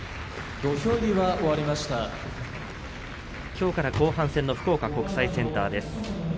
きょうから後半戦の福岡国際センターです。